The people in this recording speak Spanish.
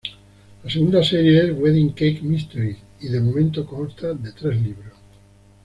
La segunda serie, es "Wedding Cake Mysteries", y de momento consta de tres libros.